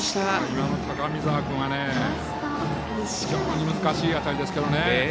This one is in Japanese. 今の高見澤君は非常に難しい当たりですけどね。